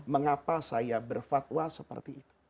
mengapa saya berfatwa seperti itu